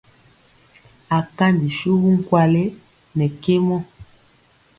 Akanji suwu nkwale nɛ kemɔ.